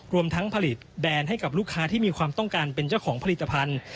รวมทั้งผลิตแบรนด์ให้กับลูกค้าที่มีความต้องการเป็นเจ้าของผลิตภัณฑ์